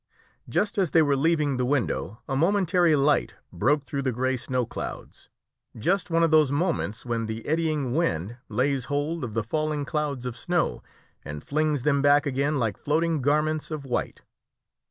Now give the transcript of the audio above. Just as they were leaving the window a momentary light broke through the grey snow clouds just one of those moments when the eddying wind lays hold of the falling clouds of snow and flings them back again like floating garments of white.